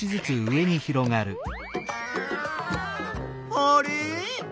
あれ？